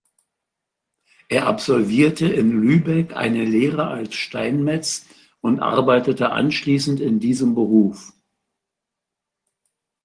Er absolvierte in Lübeck eine Lehre als Steinmetz und arbeitete anschließend in diesem Beruf.